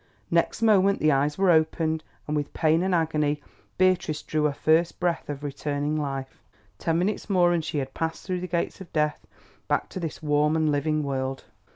Next moment the eyes were opened, and with pain and agony Beatrice drew a first breath of returning life. Ten minutes more and she had passed through the gates of Death back to this warm and living world.